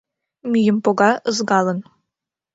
Мӱйым пога ызгалын.